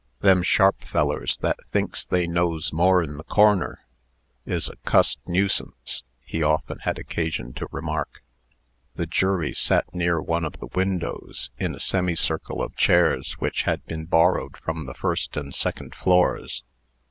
"Them sharp fellers that thinks they knows more'n the cor'ner, is a cussed nuisance," he often had occasion to remark. The jury sat near one of the windows, in a semicircle of chairs which had been borrowed from the first and second floors.